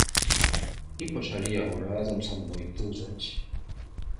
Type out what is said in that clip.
І пачалі яго разам са мной тузаць.